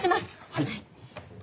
はい。